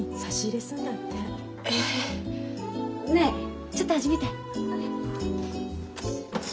ねえちょっと味見て。